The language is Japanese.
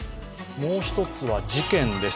もう一つは事件です。